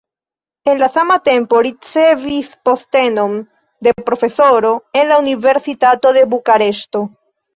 En la sama tempo ricevis postenon de profesoro en la universitato de Bukareŝto.